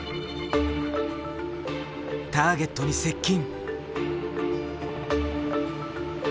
ターゲットに接近。